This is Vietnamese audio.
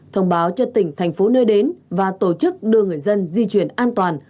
thông báo cho tỉnh thành phố nơi đến và tổ chức đưa người dân di chuyển an toàn